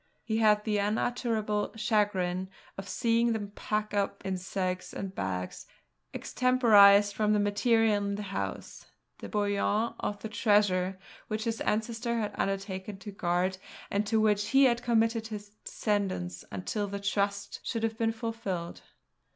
He had the unutterable chagrin of seeing them pack up in sacks and bags, extemporised from the material in the house, the bullion of the treasure which his ancestor had undertaken to guard, and to which he had committed his descendants until the trust should have been fulfilled.